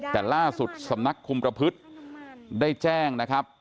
แต่ล่าสุดสำนักคุมประพฤติได้แจ้งนะครับ